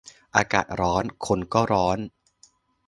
อากาศร้อน คนก็ร้อน